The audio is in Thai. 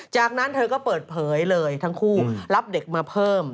จากนั้นเธอก็เปิดเผยเลยทั้งคู่รับเด็กมาเพิ่ม